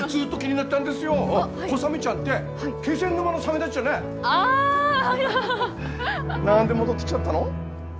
なんで戻ってきちゃったの？